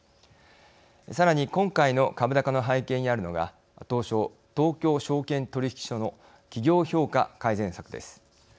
さらに今回の株高の背景にあるのが東証東京証券取引所の企業評価改善策です。